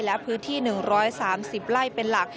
และพื้นที่๑๓๐ไร่เป็นหลัก